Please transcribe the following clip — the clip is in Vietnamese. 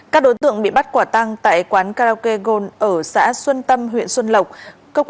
các đối tượng bị bắt quả tăng tại quán karaoke gold ở xã xuân tâm huyện xuân lộc